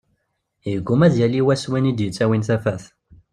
Yegguma ad yali wass win i d-yettawin tafat.